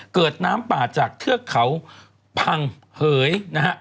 เกิดน้ำป่าจากเทือกเขาพังเหยนะฮะ